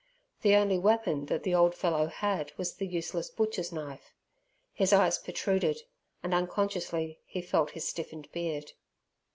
The only weapon that the old fellow had was the useless butcher's knife. His eyes protruded, and unconsciously he felt his stiffened beard.